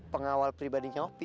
pengawal pribadinya opie